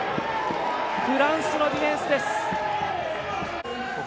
フランスのディフェンスです。